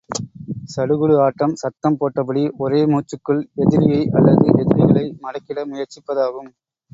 சடுகுடு ஆட்டம் சத்தம் போட்டபடி, ஒரே மூச்சுக்குள் எதிரியை அல்லது எதிரிகளை மடக்கிட முயற்சிப்பதாகும்.